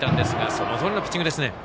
そのとおりのピッチングですね。